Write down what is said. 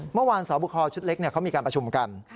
เมื่อวานสอบคอชุดเล็กเขามีการประชุมกัน